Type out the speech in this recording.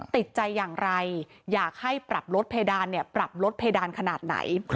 ติดใจอย่างไรอยากให้ปรับลดเพดานปรับลดเพดานขนาดไหน